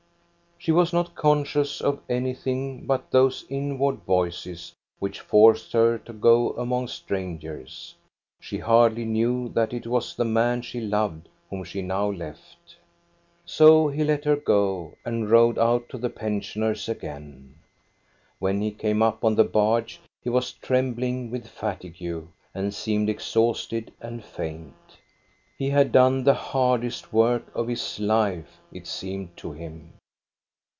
She was not conscious of anything but those inward voices which forced her to go among strangers. She hardly knew that it was the man she loved whom she now left. So he let her go and rowed out to the pensioners again. When he came up on the barge he was trem bling with fatigue and seemed exhausted and faint. He had done the hardest work of his life, it seemed to him.